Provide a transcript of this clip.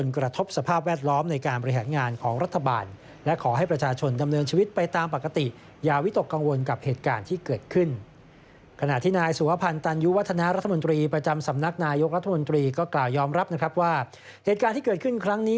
กล่ายอมรับว่าเหตุการณ์ที่เกิดขึ้นครั้งนี้